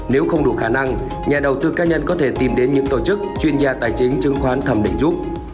nếu không đủ khả năng nhà đầu tư cá nhân có thể tìm đến những tổ chức chuyên gia tài chính chứng khoán thẩm định giúp